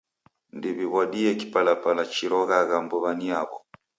Ndew'iw'adie kipalapala chiroghagha mbuw'a ni yaw'o.